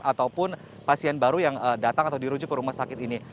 ataupun pasien baru yang datang atau dirujuk ke rumah sakit ini